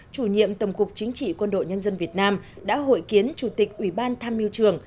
chủ nhiệm tổng cục chính trị quân đội nhân dân việt nam đã hội kiến chủ tịch ủy ban tham mưu trường